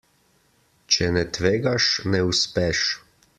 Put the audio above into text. Če ne tvegaš, ne uspeš.